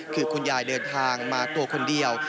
คือคุณยายเดินทางมาตัวคนเดียว